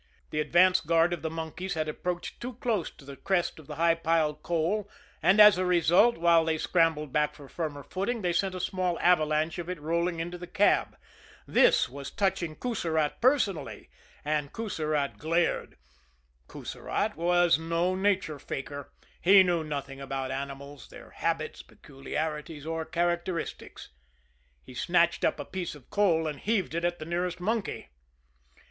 The advance guard of the monkeys had approached too close to the crest of the high piled coal, and as a result, while they scrambled back for firmer footing, they sent a small avalanche of it rolling into the cab. This was touching Coussirat personally and Coussirat glared. Coussirat was no nature faker he knew nothing about animals, their habits, peculiarities, or characteristics. He snatched up a piece of coal, and heaved it at the nearest monkey.